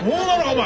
お前！